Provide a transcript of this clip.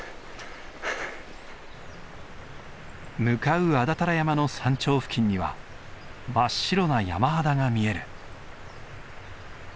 向かう安達太良山の山頂付近には真っ白な山肌が見える。